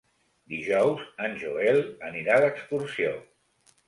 Dijous en Joel anirà d'excursió.